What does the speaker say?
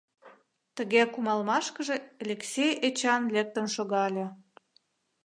Тыге кумалмашкыже Элексей Эчан лектын шогале.